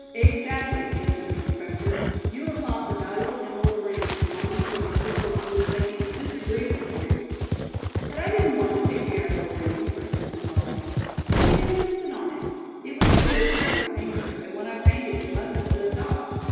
"Exactly," answered the inspector. "You have lost a valuable emerald ring belonging to another girl who is making it disagreeable for you." "But I didn't want to take care of her ring," protested Molly. "She insisted on it. It was too big for my finger, and when I fainted it must have slipped off.